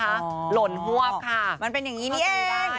หล่นหวบค่ะครับเขตยังงี้เองเพราะมันเป็นอย่างนี้เองใช่แหละ